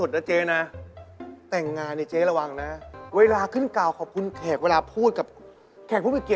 ดูว่าแต่งดีวันไหนอย่างนี้เหรอใช่ไหมว่าก็พูดอย่างนี้สิ